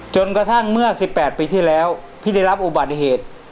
จนกระทั่งเมื่อ๑๘ปีที่แล้วพี่ได้รับอุบัติเหตุ